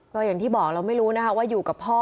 ก็อย่างที่บอกเราไม่รู้นะคะว่าอยู่กับพ่อ